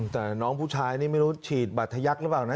แต่น้องผู้ชายนี่ไม่รู้ฉีดบัตรทยักษ์หรือเปล่านะ